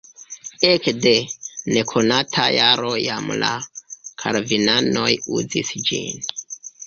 Ekde nekonata jaro jam la kalvinanoj uzis ĝin.